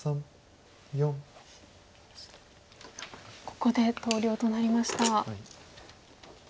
ここで投了となりました。